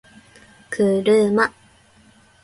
kuruma